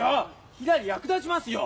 ひらり役立ちますよ。